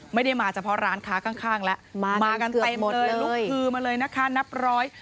ไม่ได้มาเฉพาะร้านค้าข้างข้างแล้วมากันเต็มเลยลุกฮือมาเลยนะคะนับร้อย